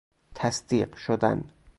تصدیق شدن